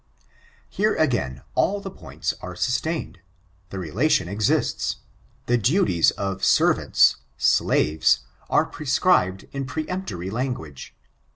Here, again, all the points are sustained. The relation exists. The duties of servants — slaves — are prescribed, in peremptory language.